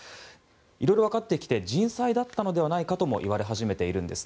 いろいろ分かってきて人災だったのではないかとも言われ始めています。